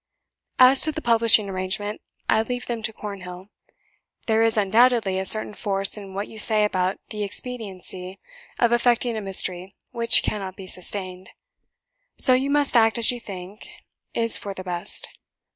As to the publishing arrangement, I leave them to Cornhill. There is, undoubtedly, a certain force in what you say about the inexpediency of affecting a mystery which cannot be sustained; so you must act as you think is for the best.